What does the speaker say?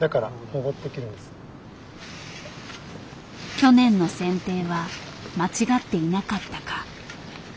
去年の剪定は間違っていなかったか。